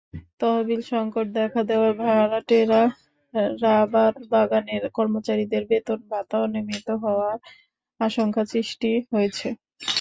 তহবিলসংকট দেখা দেওয়ায় ভাটেরা রাবারবাগানের কর্মচারীদের বেতন-ভাতা অনিয়মিত হওয়ার আশঙ্কা সৃষ্টি হয়েছে।